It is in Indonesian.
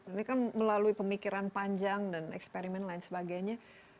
ini kan melalui pemikiran panjang dan eksperimen lain sebagainya